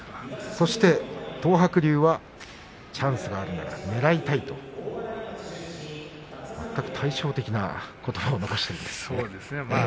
東白龍はチャンスがあるならねらいたいと全く対照的なことばを残しています。